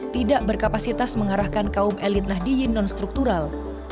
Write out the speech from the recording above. tidak berkapasitas mengarahkan kaum elit nahdliyeen nonstruktural